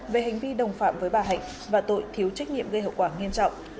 về hành vi đồng phạm với bà hạnh và tội thiếu trách nhiệm gây hậu quả nghiêm trọng